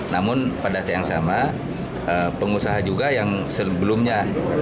namun pada saat yang sama pengusaha juga yang sebelumnya